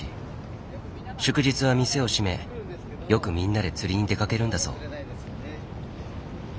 祝日は店を閉めよくみんなで釣りに出かけるんだそう。